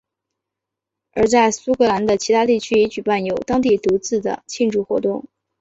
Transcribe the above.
而在苏格兰的其他地区也举办有当地独自的庆祝活动。